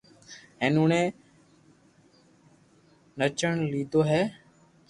ھين اوڻي ئچن ليدو ھي